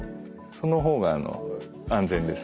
その方があの安全です。